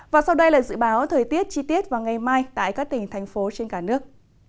và sau đây là dự báo thời tiết chi tiết vào ngày mai tại các tỉnh thành phố trên cả nước